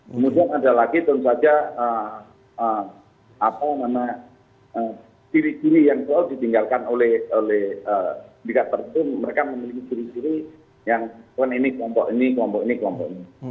kemudian ada lagi tentu saja apa yang mana siri siri yang selalu ditinggalkan oleh indikator itu mereka memiliki siri siri yang ini kelompok ini kelompok ini kelompok ini